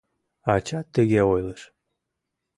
Ачат тыге ойлыш.